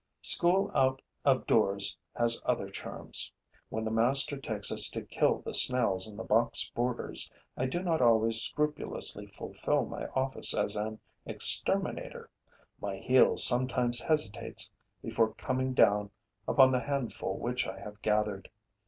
School out of doors has other charms. When the master takes us to kill the snails in the box borders, I do not always scrupulously fulfil my office as an exterminator. My heel sometimes hesitates before coming down upon the handful which I have gathered.